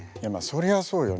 そりゃあそうよ。